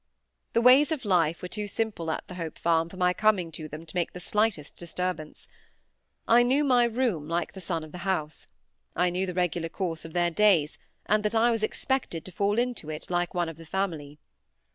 The ways of life were too simple at the Hope Farm for my coming to them to make the slightest disturbance. I knew my room, like a son of the house. I knew the regular course of their days, and that I was expected to fall into it, like one of the family.